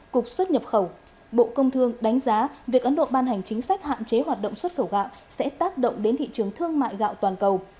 cục xuất nhập khẩu bộ công thương đánh giá việc ấn độ ban hành chính sách hạn chế hoạt động xuất khẩu gạo sẽ tác động đến thị trường thương mại gạo toàn cầu